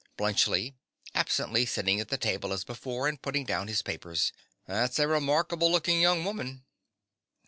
_) BLUNTSCHLI. (absently, sitting at the table as before, and putting down his papers). That's a remarkable looking young woman.